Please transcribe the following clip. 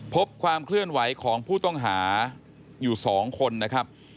พบความเคลื่อนไหวของผู้ต้องหาอยู่๒คนนะครับ